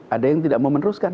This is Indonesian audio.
ada yang tidak mau meneruskan